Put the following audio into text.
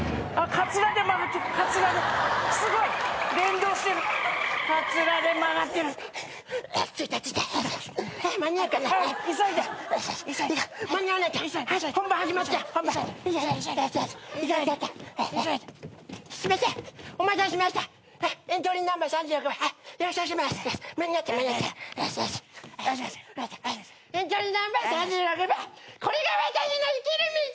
『これが私の生きる道』！